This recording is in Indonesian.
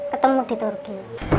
ketemu di turki